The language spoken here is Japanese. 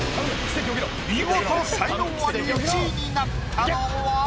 見事才能アリ１位になったのは？